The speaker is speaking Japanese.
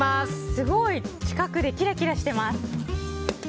すごい！近くでキラキラしてます。